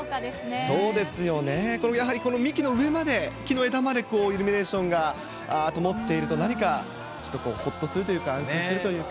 そうですね、やはり幹の上まで、木の上までこう、イルミネーションがともっていると何かちょっとほっとするというか、安心するというか。